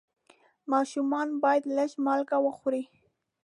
ماشومان باید لږ مالګه وخوري.